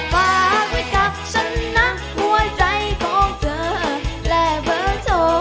ฝากไว้กับฉันนะหัวใจของเธอและเบอร์โทร